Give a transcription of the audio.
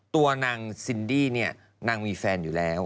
ตัวนางซินดี้เนี่ยนางมีแฟนอยู่แล้ว